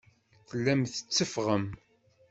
Tellam tetteffɣem.